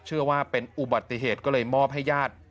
เชื่อว่าเป็นอุบัติเหตุก็เลยมอบให้ญาติ